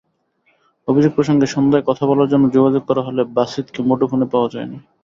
অভিযোগ প্রসঙ্গে সন্ধ্যায় কথা বলার জন্য যোগাযোগ করা হলে বাসিতকে মুঠোফোনে পাওয়া যায়নি।